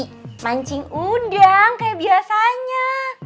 mancing udang kayak biasanya